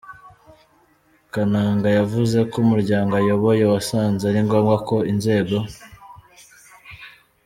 Kananga, yavuze ko umuryango ayoboye wasanze ari ngombwa ko inzego